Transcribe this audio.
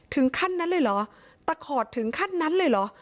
ถึงขั้นนั้นเลยเหรอตะขอดถึงขั้นนั้นเลยเหรอ